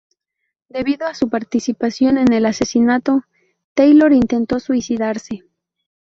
Debido a su participación en el asesinato, Taylor intentó suicidarse.